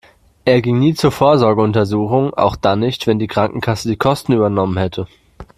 Er ging nie zur Vorsorgeuntersuchung, auch dann nicht, wenn die Krankenkasse die Kosten übernommen hätte.